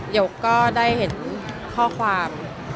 ยกก็ได้เห็นข้อความ